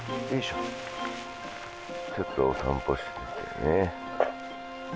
ちょっとお散歩して。